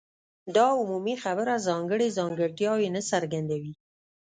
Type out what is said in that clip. دا عمومي خبره ځانګړي ځانګړتیاوې نه څرګندوي.